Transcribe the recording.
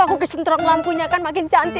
aku kesentrong lampunya kan makin cantik